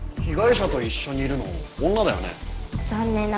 被害者と一緒にいるの女だよね？